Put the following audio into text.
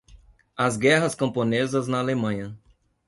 As guerras camponesas na Alemanha